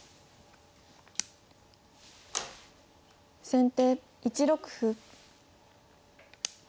先手１六歩。